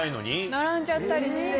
並んじゃったりして。